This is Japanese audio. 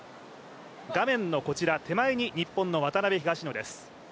画面のこちら手前に日本の渡辺・東野です。